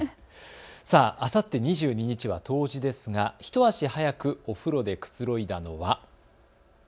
さて、あさって２２日は冬至ですが一足早くお風呂でくつろいだのは。